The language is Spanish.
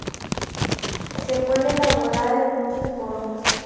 Se puede elaborar en muchas formas.